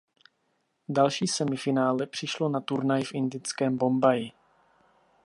Další semifinále přišlo na turnaji v indickém Bombaji.